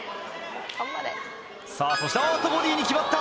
さぁそしてあっとボディーに決まった！